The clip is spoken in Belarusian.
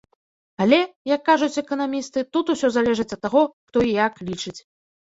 Але, як кажуць эканамісты, тут усё залежыць ад таго, хто і як лічыць.